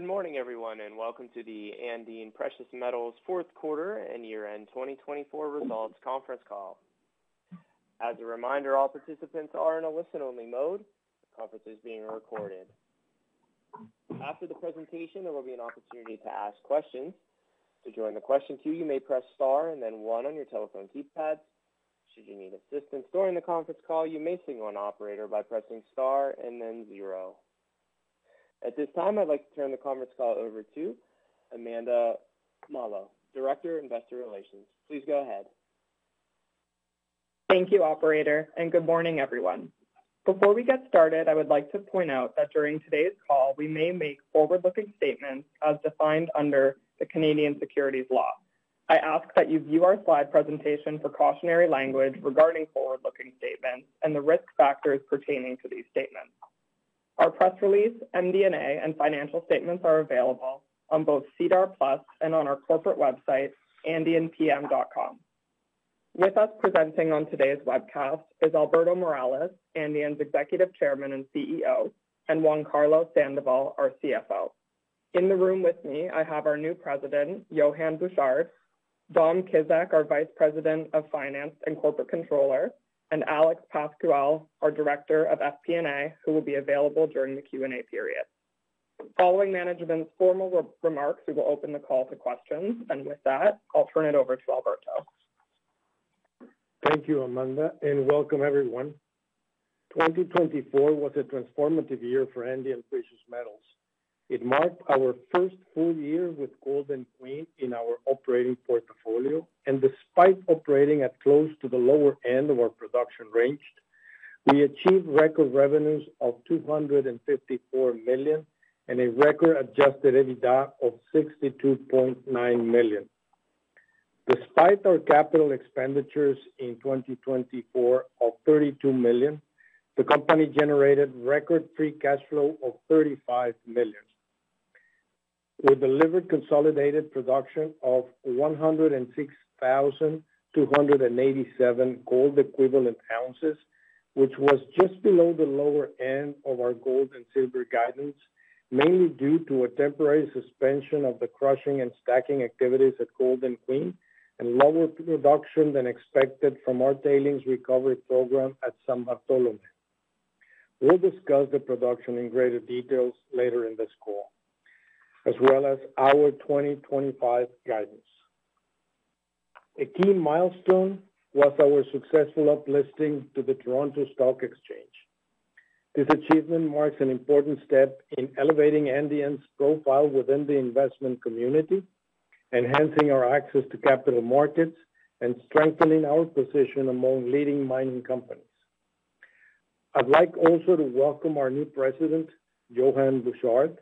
Good morning, everyone, and welcome to the Andean Precious Metals Fourth Quarter and Year End 2024 Results Conference Call. As a reminder, all participants are in a listen-only mode. The conference is being recorded. After the presentation, there will be an opportunity to ask questions. To join the question queue, you may press Star and then One on your telephone keypads. Should you need assistance during the conference call, you may signal an operator by pressing Star and then Zero. At this time, I'd like to turn the conference call over to Amanda Mallough, Director of Investor Relations. Please go ahead. Thank you, Operator, and good morning, everyone. Before we get started, I would like to point out that during today's call, we may make forward-looking statements as defined under the Canadian Securities Law. I ask that you view our slide presentation for cautionary language regarding forward-looking statements and the risk factors pertaining to these statements. Our press release, MD&A, and financial statements are available on both SEDAR+ and on our corporate website, AndeanPM.com. With us presenting on today's webcast is Alberto Morales, Andean's Executive Chairman and CEO; and Juan Carlos Sandoval, our CFO. In the room with me, I have our new President, Yohann Bouchard; Dom Kizek, our Vice President of Finance and Corporate Controller; and Alex Pascual, our Director of FP&A, who will be available during the Q&A period. Following Management's formal remarks, we will open the call to questions, and with that, I'll turn it over to Alberto. Thank you, Amanda, and welcome, everyone. 2024 was a transformative year for Andean Precious Metals. It marked our first full year with Golden Queen in our operating portfolio, and despite operating at close to the lower end of our production range, we achieved record revenues of $254 million and a record adjusted EBITDA of $62.9 million. Despite our capital expenditures in 2024 of $32 million, the company generated record free cash flow of $35 million. We delivered consolidated production of 106,287 gold equivalent ounces, which was just below the lower end of our gold and silver guidance, mainly due to a temporary suspension of the crushing and stacking activities at Golden Queen and lower production than expected from our tailings recovery program at San Bartolomé. We will discuss the production in greater detail later in this call, as well as our 2025 guidance. A key milestone was our successful uplisting to the Toronto Stock Exchange. This achievement marks an important step in elevating Andean's profile within the investment community, enhancing our access to capital markets, and strengthening our position among leading mining companies. I'd like also to welcome our new President, Yohann Bouchard,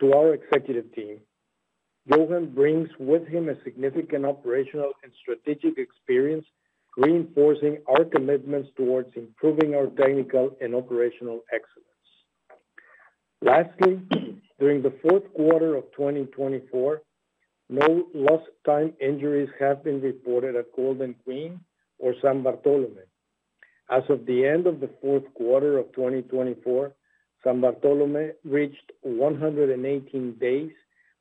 to our executive team. Yohann brings with him significant operational and strategic experience, reinforcing our commitments towards improving our technical and operational excellence. Lastly, during the fourth quarter of 2024, no lost time injuries have been reported at Golden Queen or San Bartolomé. As of the end of the fourth quarter of 2024, San Bartolomé reached 118 days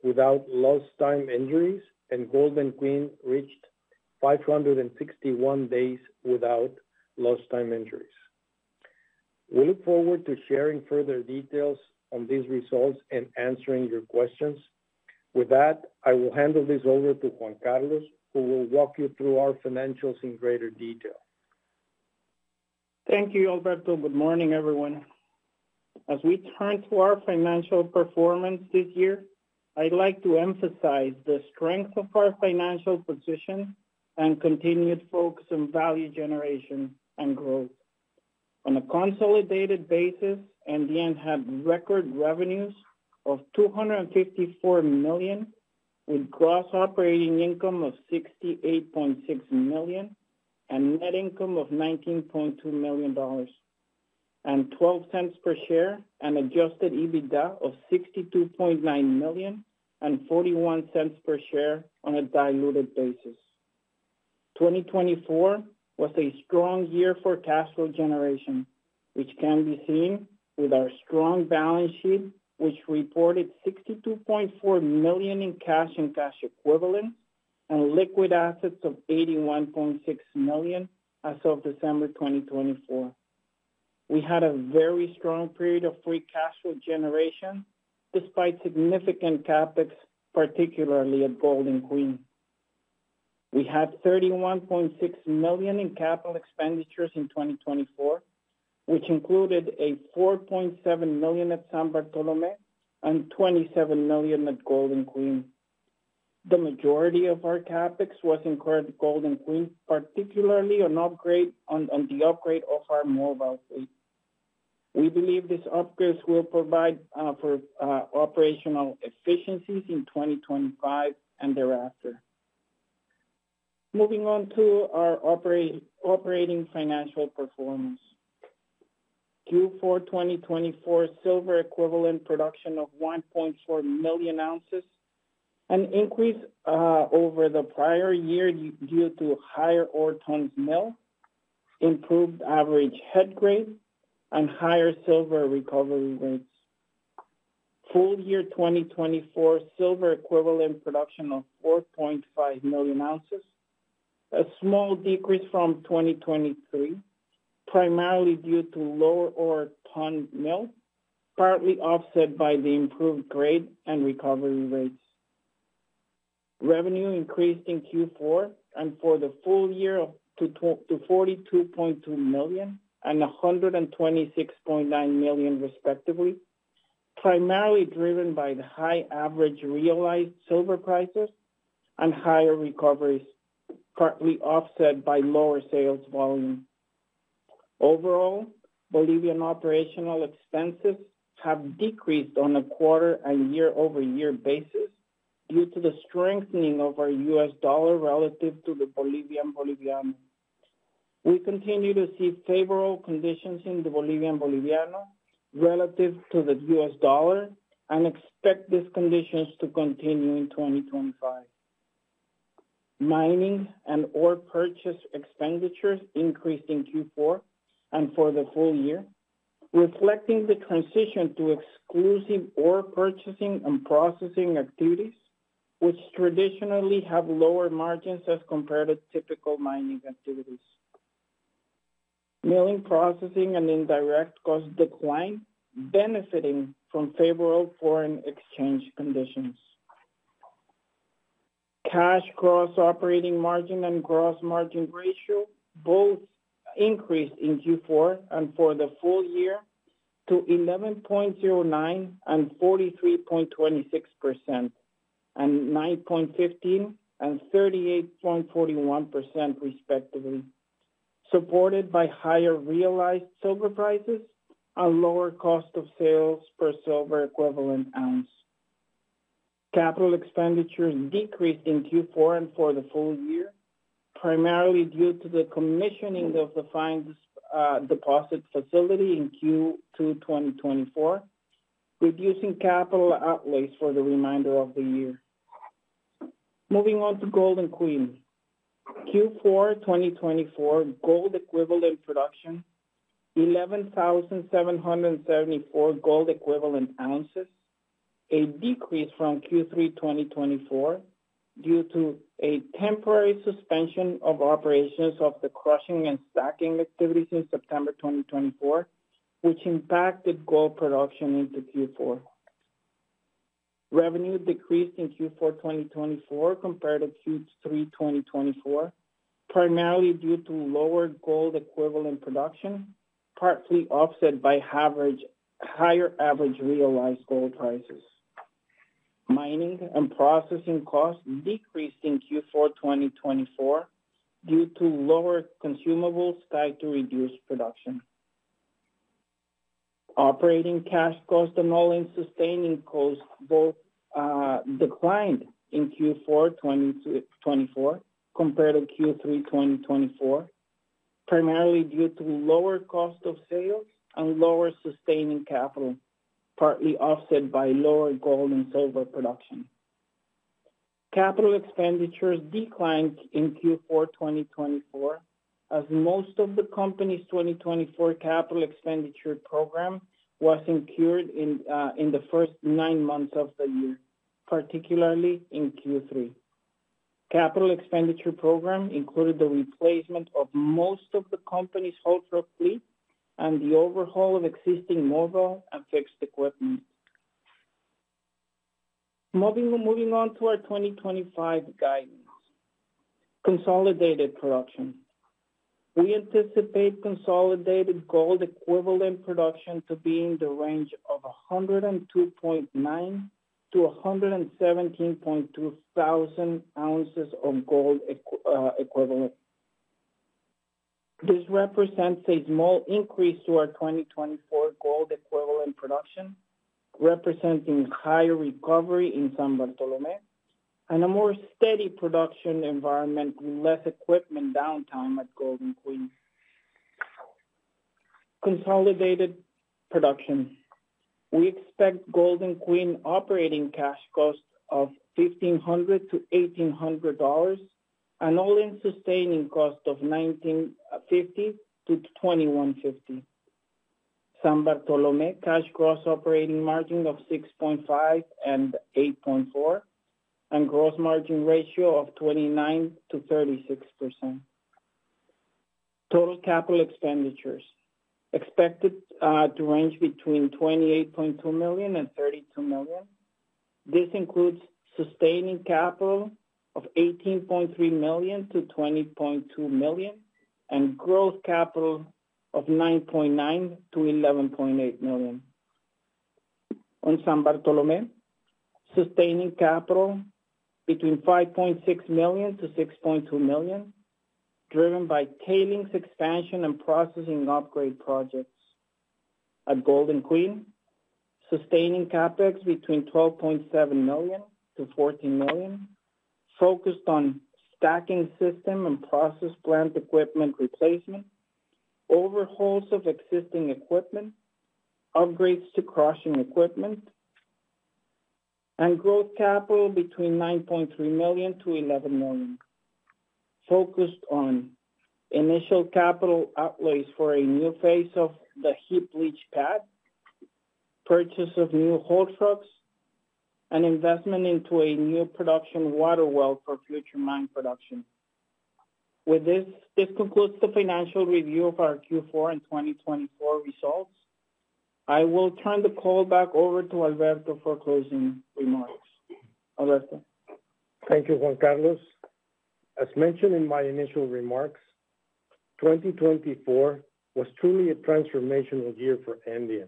without lost time injuries, and Golden Queen reached 561 days without lost time injuries. We look forward to sharing further details on these results and answering your questions. With that, I will hand this over to Juan Carlos, who will walk you through our financials in greater detail. Thank you, Alberto. Good morning, everyone. As we turn to our financial performance this year, I'd like to emphasize the strength of our financial position and continued focus on value generation and growth. On a consolidated basis, Andean had record revenues of $254 million, with gross operating income of $68.6 million and net income of $19.2 million, and $0.12 per share, an adjusted EBITDA of $62.9 million, and $0.41 per share on a diluted basis. 2024 was a strong year for cash flow generation, which can be seen with our strong balance sheet, which reported $62.4 million in cash and cash equivalents, and liquid assets of $81.6 million as of December 2024. We had a very strong period of free cash flow generation despite significant CapEx, particularly at Golden Queen. We had $31.6 million in capital expenditures in 2024, which included $4.7 million at San Bartolomé and $27 million at Golden Queen. The majority of our CapEx was incurred at Golden Queen, particularly on the upgrade of our mobile fleet. We believe these upgrades will provide for operational efficiencies in 2025 and thereafter. Moving on to our operating financial performance, Q4 2024 silver equivalent production of 1.4 million ounces, an increase over the prior year due to higher ore tons milled, improved average head grade, and higher silver recovery rates. Full year 2024 silver equivalent production of 4.5 million ounces, a small decrease from 2023, primarily due to lower ore tons milled, partly offset by the improved grade and recovery rates. Revenue increased in Q4 and for the full year to $42.2 million and $126.9 million, respectively, primarily driven by the high average realized silver prices and higher recoveries, partly offset by lower sales volume. Overall, Bolivian operational expenses have decreased on a quarter and year-over-year basis due to the strengthening of our US dollar relative to the Bolivian Boliviano. We continue to see favorable conditions in the Bolivian Boliviano relative to the US dollar and expect these conditions to continue in 2025. Mining and ore purchase expenditures increased in Q4 and for the full year, reflecting the transition to exclusive ore purchasing and processing activities, which traditionally have lower margins as compared to typical mining activities. Milling, processing, and indirect costs declined, benefiting from favorable foreign exchange conditions. Cash Gross Operating Margin and gross margin ratio both increased in Q4 and for the full year to 11.09 and 43.26%, and 9.15 and 38.41%, respectively, supported by higher realized silver prices and lower cost of sales per silver equivalent ounce. Capital expenditures decreased in Q4 and for the full year, primarily due to the commissioning of the fine deposit facility in Q2 2024, reducing capital outlays for the remainder of the year. Moving on to Golden Queen. Q4 2024 gold equivalent production: 11,774 gold equivalent ounces, a decrease from Q3 2024 due to a temporary suspension of operations of the crushing and stacking activities in September 2024, which impacted gold production into Q4. Revenue decreased in Q4 2024 compared to Q3 2024, primarily due to lower gold equivalent production, partly offset by higher average realized gold prices. Mining and processing costs decreased in Q4 2024 due to lower consumables tied to reduced production. Operating cash cost and all-in sustaining costs both declined in Q4 2024 compared to Q3 2024, primarily due to lower cost of sales and lower sustaining capital, partly offset by lower gold and silver production. Capital expenditures declined in Q4 2024 as most of the company's 2024 capital expenditure program was incurred in the first nine months of the year, particularly in Q3. Capital expenditure program included the replacement of most of the company's haul truck fleet and the overhaul of existing mobile and fixed equipment. Moving on to our 2025 guidance, consolidated production. We anticipate consolidated gold equivalent production to be in the range of 102.9-117.2 thousand ounces of gold equivalent. This represents a small increase to our 2024 gold equivalent production, representing higher recovery in San Bartolomé and a more steady production environment with less equipment downtime at Golden Queen. Consolidated production. We expect Golden Queen operating cash cost of $1,500-$1,800 and all-in sustaining cost of $19.50-$21.50. San Bartolomé cash gross operating margin of 6.5 and 8.4, and gross margin ratio of 29%-36%. Total capital expenditures expected to range between $28.2 million and $32 million. This includes sustaining capital of $18.3 million-$20.2 million and gross capital of $9.9-$11.8 million. On San Bartolomé, sustaining capital between $5.6 million-$6.2 million, driven by tailings expansion and processing upgrade projects. At Golden Queen, sustaining CapEx between $12.7 million-$14 million, focused on stacking system and process plant equipment replacement, overhauls of existing equipment, upgrades to crushing equipment, and gross capital between $9.3 million-$11 million, focused on initial capital outlays for a new phase of the heap leach pad, purchase of new haul trucks, and investment into a new production water well for future mine production. With this, this concludes the financial review of our Q4 and 2024 results. I will turn the call back over to Alberto for closing remarks. Alberto. Thank you, Juan Carlos. As mentioned in my initial remarks, 2024 was truly a transformational year for Andean.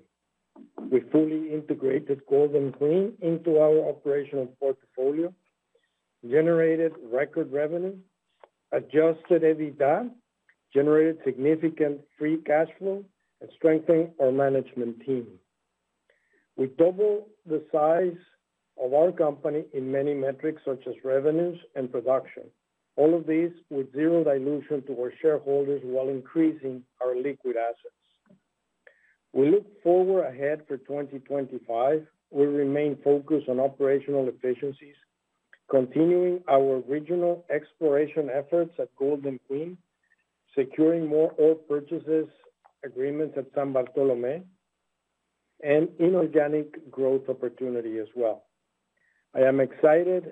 We fully integrated Golden Queen into our operational portfolio, generated record revenue, adjusted EBITDA, generated significant free cash flow, and strengthened our management team. We doubled the size of our company in many metrics, such as revenues and production, all of these with zero dilution to our shareholders while increasing our liquid assets. We look forward ahead for 2025. We remain focused on operational efficiencies, continuing our regional exploration efforts at Golden Queen, securing more ore purchase agreements at San Bartolomé, and inorganic growth opportunity as well. I am excited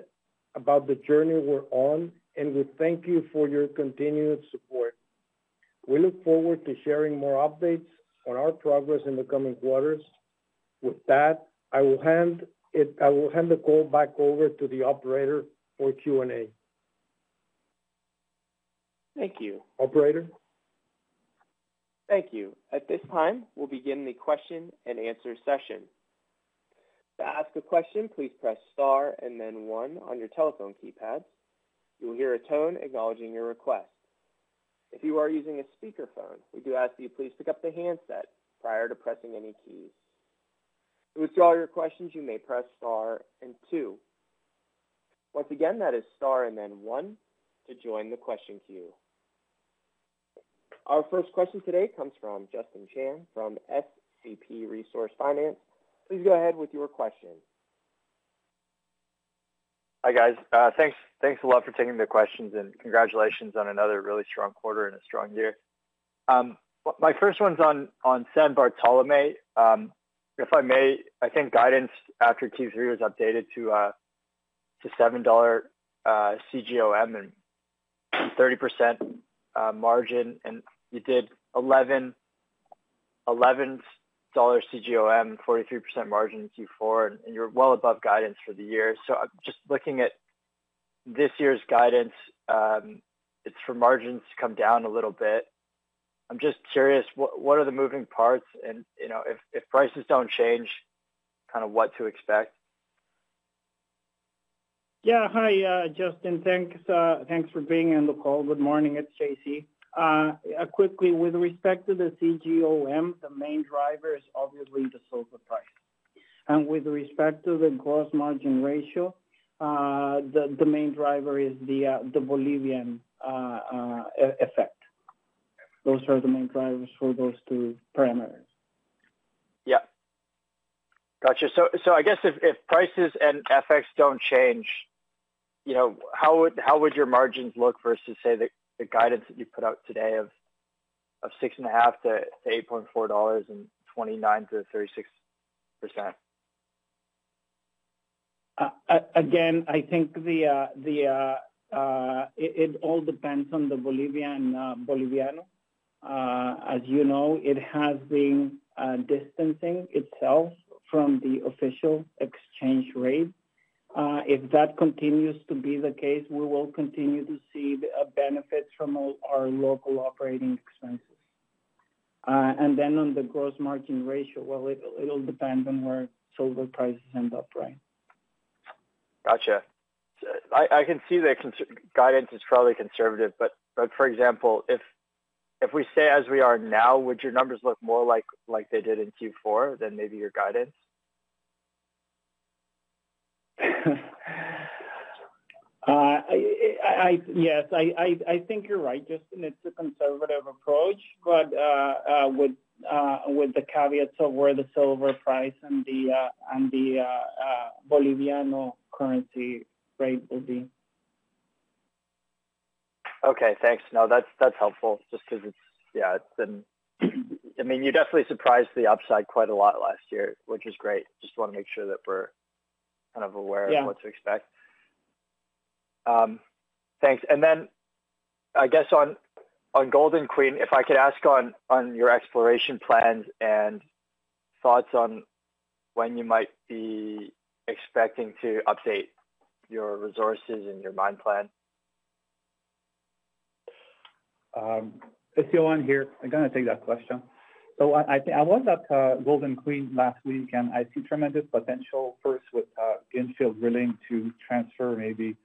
about the journey we're on, and we thank you for your continued support. We look forward to sharing more updates on our progress in the coming quarters. With that, I will hand the call back over to the operator for Q&A. Thank you. Operator. Thank you. At this time, we'll begin the question and answer session. To ask a question, please press star and then one on your telephone keypads. You will hear a tone acknowledging your request. If you are using a speakerphone, we do ask that you please pick up the handset prior to pressing any keys. To withdraw your questions, you may press star and two. Once again, that is star and then one to join the question queue. Our first question today comes from Justin Chan from SCP Resource Finance. Please go ahead with your question. Hi, guys. Thanks a lot for taking the questions, and congratulations on another really strong quarter and a strong year. My first one's on San Bartolomé. If I may, I think guidance after Q3 was updated to $7 CGOM and 30% margin, and you did $11 CGOM, 43% margin in Q4, and you're well above guidance for the year. Just looking at this year's guidance, it's for margins to come down a little bit. I'm just curious, what are the moving parts? If prices do not change, kind of what to expect? Yeah. Hi, Justin. Thanks for being on the call. Good morning. It's JC. Quickly, with respect to the CGOM, the main driver is obviously the silver price. With respect to the gross margin ratio, the main driver is the Bolivian effect. Those are the main drivers for those two parameters. Yeah. Gotcha. I guess if prices and effects do not change, how would your margins look versus, say, the guidance that you put out today of $6.5-$8.4 and 29%-36%? Again, I think it all depends on the Bolivian Boliviano. As you know, it has been distancing itself from the official exchange rate. If that continues to be the case, we will continue to see benefits from our local operating expenses. On the gross margin ratio, it will depend on where silver prices end up, right? Gotcha. I can see that guidance is probably conservative, but for example, if we stay as we are now, would your numbers look more like they did in Q4 than maybe your guidance? Yes. I think you're right, Justin. It's a conservative approach, but with the caveats of where the silver price and the Boliviano currency rate will be. Okay. Thanks. No, that's helpful just because it's, yeah. I mean, you definitely surprised to the upside quite a lot last year, which is great. Just want to make sure that we're kind of aware of what to expect. Thanks. I guess on Golden Queen, if I could ask on your exploration plans and thoughts on when you might be expecting to update your resources and your mine plan? It's Yohann here. I'm going to take that question. I was at Golden Queen last week, and I see tremendous potential first with infill drilling to transfer maybe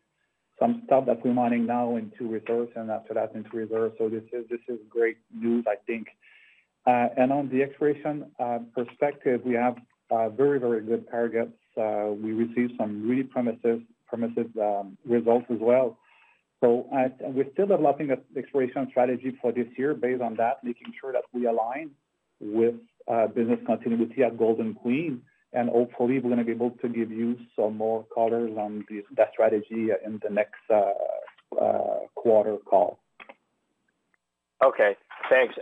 some stuff that we're mining now into reserves and after that into reserves. This is great news, I think. On the exploration perspective, we have very, very good targets. We received some really promising results as well. We're still developing an exploration strategy for this year based on that, making sure that we align with business continuity at Golden Queen. Hopefully, we're going to be able to give you some more colors on that strategy in the next quarter call. Okay. Thanks.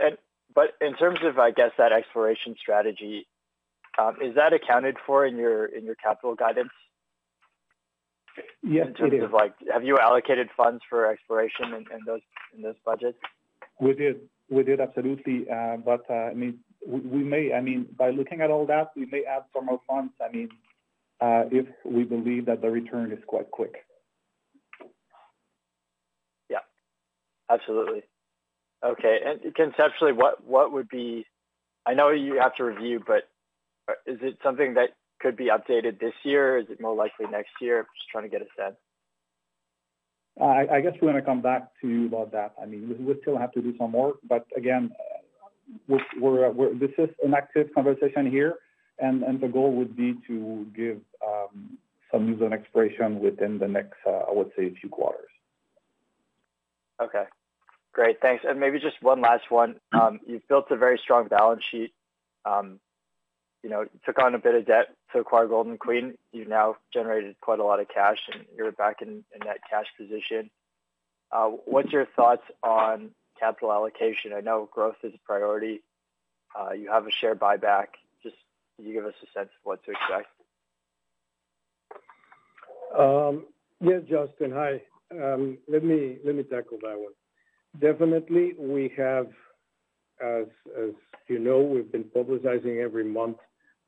In terms of, I guess, that exploration strategy, is that accounted for in your capital guidance? Yes, it is. In terms of, have you allocated funds for exploration in those budgets? We did. We did, absolutely. I mean, by looking at all that, we may add some more funds, I mean, if we believe that the return is quite quick. Yeah. Absolutely. Okay. Conceptually, what would be, I know you have to review, but is it something that could be updated this year? Is it more likely next year? Just trying to get a sense. I guess we're going to come back to you about that. I mean, we still have to do some work. Again, this is an active conversation here, and the goal would be to give some news on exploration within the next, I would say, few quarters. Okay. Great. Thanks. Maybe just one last one. You've built a very strong balance sheet. You took on a bit of debt to acquire Golden Queen. You've now generated quite a lot of cash, and you're back in that cash position. What's your thoughts on capital allocation? I know growth is a priority. You have a share buyback. Just can you give us a sense of what to expect? Yeah, Justin. Hi. Let me tackle that one. Definitely, we have, as you know, we've been publicizing every month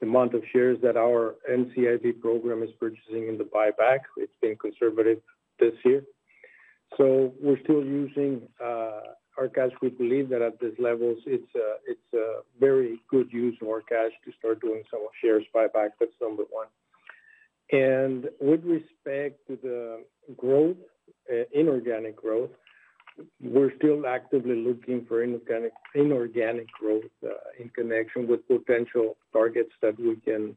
the amount of shares that our NCIB program is purchasing in the buyback. It's been conservative this year. We're still using our cash. We believe that at these levels, it's a very good use of our cash to start doing some shares buyback. That's number one. With respect to the growth, inorganic growth, we're still actively looking for inorganic growth in connection with potential targets that we can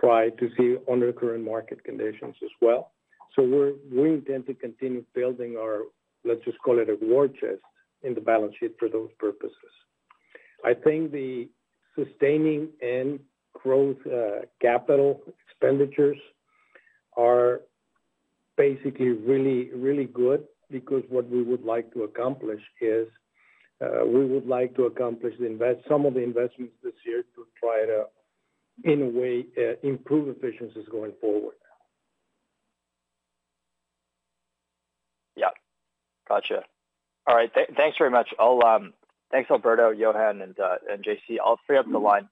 try to see under current market conditions as well. We intend to continue building our, let's just call it a war chest, in the balance sheet for those purposes. I think the sustaining and growth capital expenditures are basically really, really good because what we would like to accomplish is we would like to accomplish some of the investments this year to try to, in a way, improve efficiencies going forward. Yeah. Gotcha. All right. Thanks very much. Thanks, Alberto, Yohann, and JC. I'll free up the line.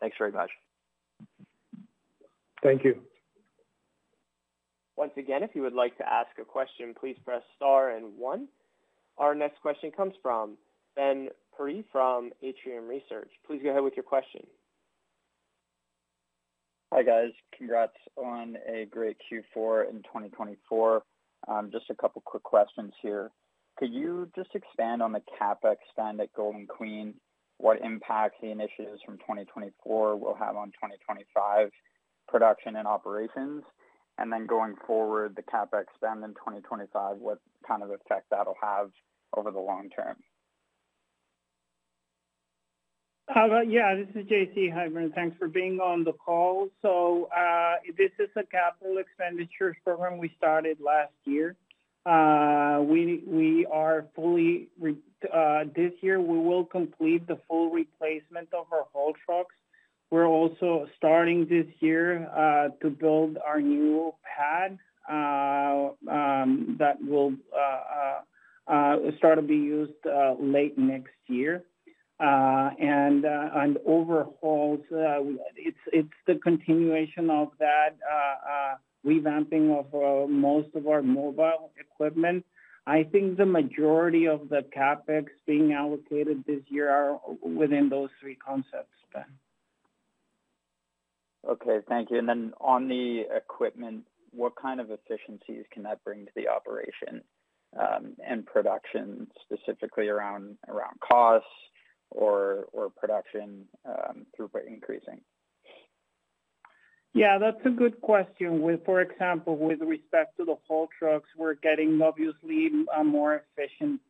Thanks very much. Thank you. Once again, if you would like to ask a question, please press star and one. Our next question comes from Ben Pirie from Atrium Research. Please go ahead with your question. Hi, guys. Congrats on a great Q4 in 2024. Just a couple of quick questions here. Could you just expand on the CapEx spend at Golden Queen? What impact the initiatives from 2024 will have on 2025 production and operations? Going forward, the CapEx spend in 2025, what kind of effect that'll have over the long term? Yeah. This is JC. Hi Ben. Thanks for being on the call. This is a capital expenditures program we started last year. This year, we will complete the full replacement of our haul trucks. We're also starting this year to build our new pad that will start to be used late next year. Overhauls, it's the continuation of that revamping of most of our mobile equipment. I think the majority of the CapEx being allocated this year are within those three concepts, Ben. Okay. Thank you. Then on the equipment, what kind of efficiencies can that bring to the operation and production, specifically around costs or production throughput increasing? Yeah. That's a good question. For example, with respect to the haul trucks, we're getting obviously a more efficient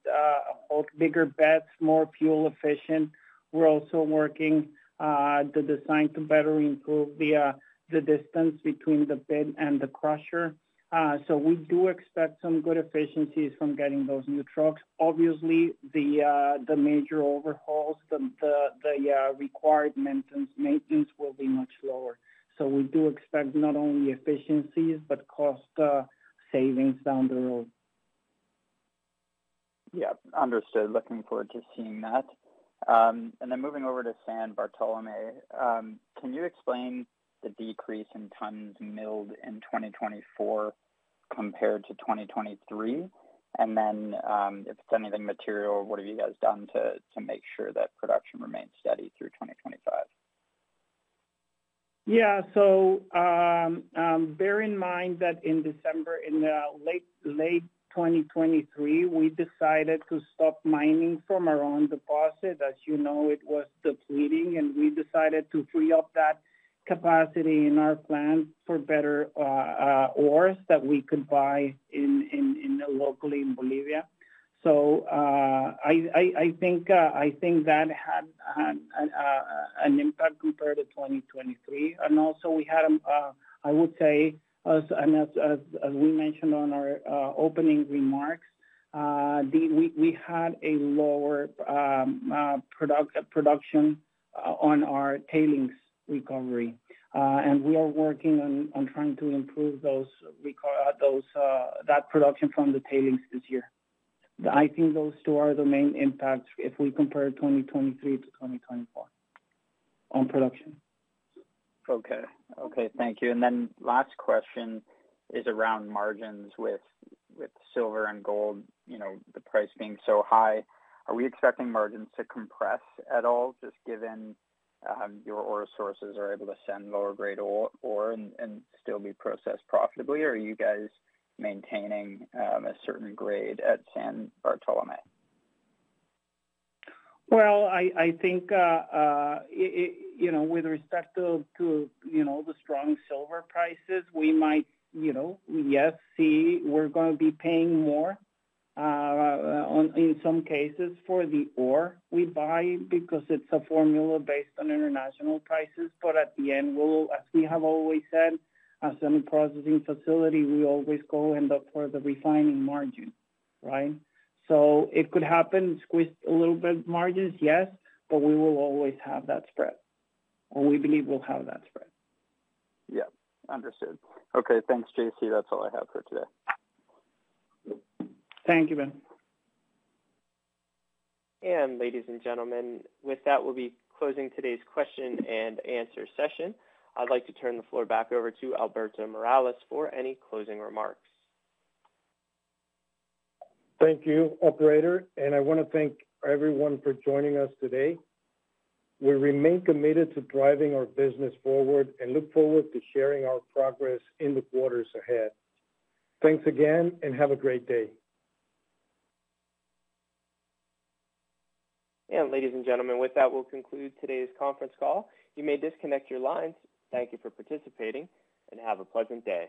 haul. Bigger beds, more fuel efficient. We're also working on the design to better improve the distance between the bed and the crusher. We do expect some good efficiencies from getting those new trucks. Obviously, the major overhauls, the required maintenance will be much lower. We do expect not only efficiencies but cost savings down the road. Yeah. Understood. Looking forward to seeing that. Moving over to San Bartolomé, can you explain the decrease in tons milled in 2024 compared to 2023? If it's anything material, what have you guys done to make sure that production remains steady through 2025? Yeah. Bear in mind that in December, in late 2023, we decided to stop mining from our own deposit. As you know, it was depleting, and we decided to free up that capacity in our plant for better ores that we could buy locally in Bolivia. I think that had an impact compared to 2023. Also, we had, I would say, as we mentioned in our opening remarks, we had a lower production on our tailings recovery. We are working on trying to improve that production from the tailings this year. I think those two are the main impacts if we compare 2023 to 2024 on production. Okay. Okay. Thank you. Last question is around margins with silver and gold, the price being so high. Are we expecting margins to compress at all, just given your ore sources are able to send lower-grade ore and still be processed profitably, or are you guys maintaining a certain grade at San Bartolomé? I think with respect to the strong silver prices, we might, yes, see we're going to be paying more in some cases for the ore we buy because it's a formula based on international prices. At the end, as we have always said, as a processing facility, we always go and look for the refining margin, right? It could happen squeezed a little bit margins, yes, but we will always have that spread. Or we believe we'll have that spread. Yeah. Understood. Okay. Thanks, JC. That's all I have for today. Thank you, Ben. Ladies and gentlemen, with that, we'll be closing today's question and answer session. I'd like to turn the floor back over to Alberto Morales for any closing remarks. Thank you, Operator. I want to thank everyone for joining us today. We remain committed to driving our business forward and look forward to sharing our progress in the quarters ahead. Thanks again, and have a great day. Ladies and gentlemen, with that, we'll conclude today's conference call. You may disconnect your lines. Thank you for participating, and have a pleasant day.